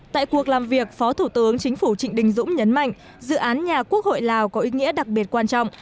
tại cuộc làm việc phó thủ tướng chính phủ trịnh đình dũng nhấn mạnh dự án nhà quốc hội lào có ý nghĩa đặc biệt quan trọng